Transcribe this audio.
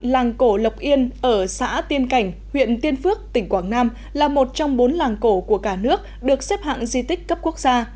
làng cổ lộc yên ở xã tiên cảnh huyện tiên phước tỉnh quảng nam là một trong bốn làng cổ của cả nước được xếp hạng di tích cấp quốc gia